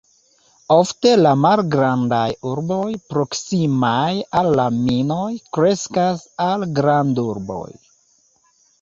Ofte la malgrandaj urboj proksimaj al la minoj kreskas al grandurboj.